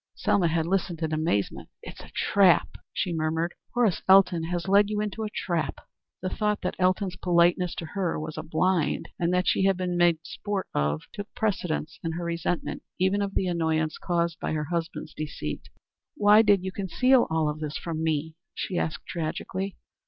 Selma had listened in amazement. "It's a trap," she murmured. "Horace Elton has led you into a trap." The thought that Elton's politeness to her was a blind, and that she had been made sport of, took precedence in her resentment even of the annoyance caused her by her husband's deceit. "Why did you conceal all this from me?" she asked, tragically.